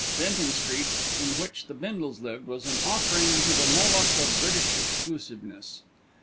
Fenton Street, in which the Bindles lived, was an offering to the Moloch of British exclusiveness.